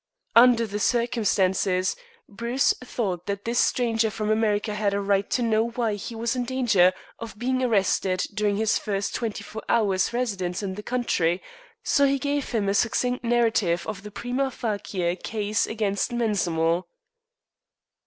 Under the circumstances, Bruce thought that this stranger from America had a right to know why he was in danger of being arrested during his first twenty four hours' residence in the country, so he gave him a succinct narrative of the prima facie case against Mensmore.